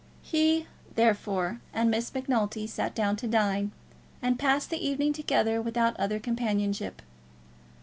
He, therefore, and Miss Macnulty sat down to dine, and passed the evening together without other companionship.